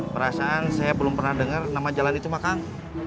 perasaan saya belum pernah dengar nama jalan itu mah kang